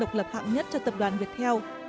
độc lập hạng nhất cho tập đoàn việt heo